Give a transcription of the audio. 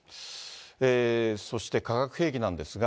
そして、化学兵器なんですが。